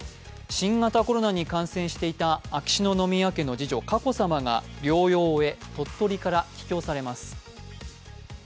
新型コロナに感染していた秋篠宮家の次女・佳子さまが療養を終え、鳥取から帰郷されます。